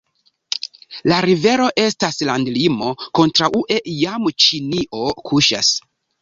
La rivero estas landlimo, kontraŭe jam Ĉinio kuŝas.